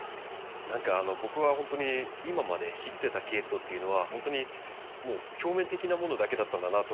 何か僕は本当に今まで知ってたケイトウっていうのは本当にもう表面的なものだけだったんだなと思って。